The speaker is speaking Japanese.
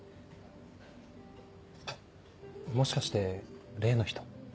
もしかして例の人？